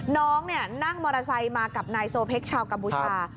น้องนั่งมอเตอร์ไซค์มากับนายโซเพคชาวกัมพูชา